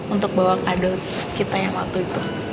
untuk bawa kado kita yang waktu itu